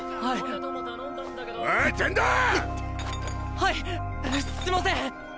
はいすみません！